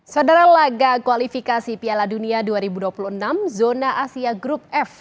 saudara laga kualifikasi piala dunia dua ribu dua puluh enam zona asia grup f